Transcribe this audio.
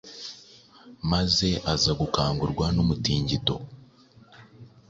maze aza gukangurwa n’umutingito